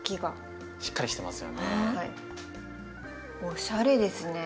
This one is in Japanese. おしゃれですね。